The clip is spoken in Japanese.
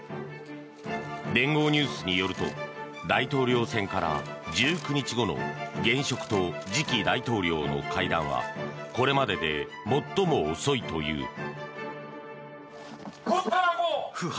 連合ニュースによると大統領選から１９日後の現職と次期大統領の会談はこれまでで最も遅いという。